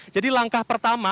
jadi langkah pertama